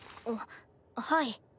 あっはい。